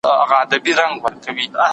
ابن خلدون وایي تاریخ تکراریږي.